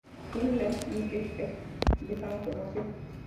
Tim Lever y Mike Percy dejan la formación.